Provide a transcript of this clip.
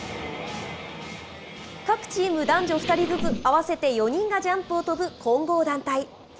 各チーム男女２人ずつ、合わせて４人がジャンプを飛ぶ混合団体。